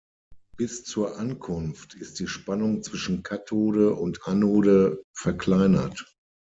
Bis zur Ankunft ist die Spannung zwischen Kathode und Anode verkleinert.